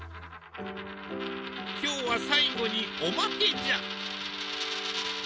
今日は最後にオマケじゃ！